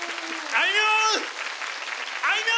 あいみょん！